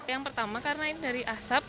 yang pertama karena ini dari asap